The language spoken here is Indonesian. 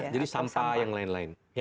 jadi sampah yang lain lain